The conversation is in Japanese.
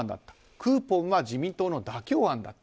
クーポンは自民党の妥協案だった。